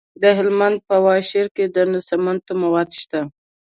د هلمند په واشیر کې د سمنټو مواد شته.